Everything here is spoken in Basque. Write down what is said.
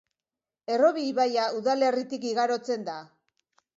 Errobi ibaia udalerritik igarotzen da.